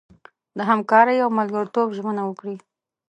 د همکارۍ او ملګرتوب ژمنه وکړي.